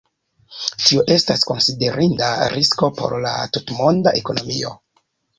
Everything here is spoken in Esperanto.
Tio estas konsiderinda risko por la tutmonda ekonomio.